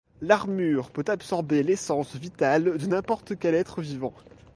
L'armure peut absorber l’essence vitale de n’importe quel être vivant.